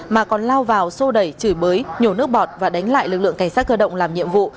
mà còn lao vào xô đẩy chửi bới nhổ nước bọt và đánh lại lực lượng cảnh sát cơ động làm nhiệm vụ